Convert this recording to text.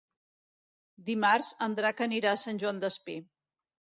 Dimarts en Drac anirà a Sant Joan Despí.